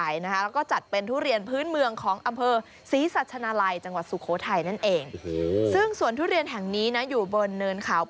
อายุน้อยกว่าต้นทุเรียนนะคะ